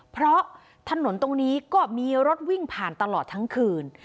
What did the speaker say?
เพราะถนนตรงนี้ก็มีรถวิ่งผ่านตลอดทั้งคืน